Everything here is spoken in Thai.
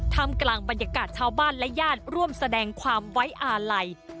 ทำกลางบรรยากาศชาวบ้านและญาติร่วมแสดงความไว้อาลัย